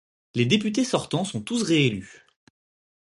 Les députés sortants sont tous réélus.